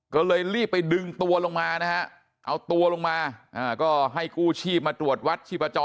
ก็เลยรีบไปดึงตัวลงมานะฮะเอาตัวลงมาก็ให้กู้ชีพมาตรวจวัดชีพจร